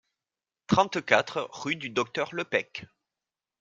trente-quatre rue du Docteur Lepec